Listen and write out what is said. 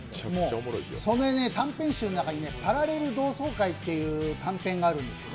その短編集の中に「パラレル同窓会」っていうのがあるんです。